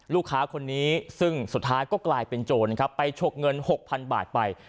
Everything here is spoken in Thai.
ลูกค้าคนนี้ซึ่งสุดท้ายก็กลายเป็นโจรครับไปฉกเงิน๖๐๐๐บาทไป